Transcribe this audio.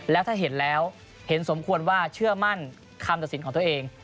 แล้วถ้าเห็นแล้วเห็นสมควรว่าเชื่อมั่นคำตัดสินของตัวเอง